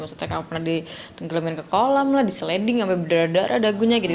maksudnya kamu pernah ditenggelamin ke kolam lah di seleding sampai berdarah dagunya gitu